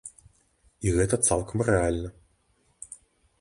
І гэта цалкам рэальна.